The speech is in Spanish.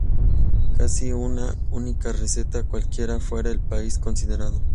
Casi una única receta, cualquiera fuere el país considerado.